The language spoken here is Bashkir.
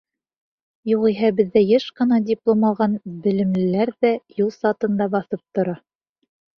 Юғиһә беҙҙә йыш ҡына диплом алған белемлеләр ҙә юл сатында баҫып ҡала.